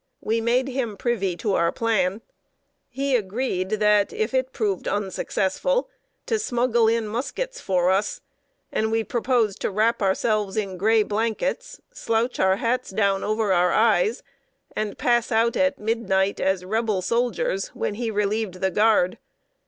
We made him privy to our plan. He agreed, if it proved unsuccessful, to smuggle in muskets for us; and we proposed to wrap ourselves in gray blankets, slouch our hats down over our eyes, and pass out at midnight, as Rebel soldiers, when he relieved the guard.